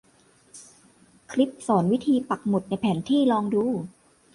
คลิปสอนวิธีปักหมุดในแผนที่ลองดู